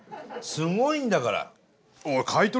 すごいんだから。